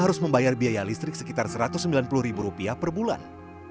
biar saya bisa agak enakan untuk hanya menginap